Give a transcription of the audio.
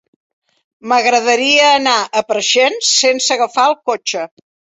M'agradaria anar a Preixens sense agafar el cotxe.